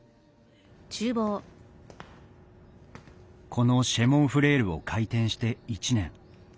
この「シェ・モン・フレール」を開店して１年。